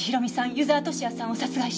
湯沢敏也さんを殺害した。